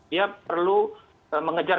dia perlu mengejar